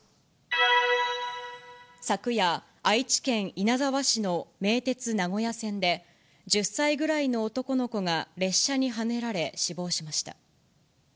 昨夜、愛知県稲沢市の名鉄名古屋線で、１０歳ぐらいの男の子が列車にはねられ、死亡しました。